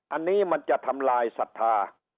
อันนี้มันจะทำลายศรัทธา